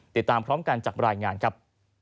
ติดตามพร้อมกันจากรายงานครับ